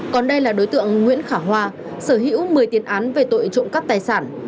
còn đây là đối tượng nguyễn khả hoa sở hữu một mươi tiền án về tội trộm cắp tài sản